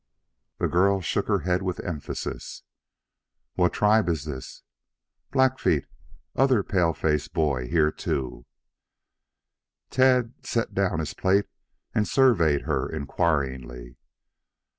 The girl shook her head with emphasis. "What tribe is this?" "Blackfeet. Other paleface boy here too." Tad set down his plate and surveyed her inquiringly.